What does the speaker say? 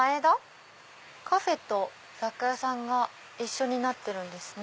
カフェと雑貨屋さんが一緒になってるんですね。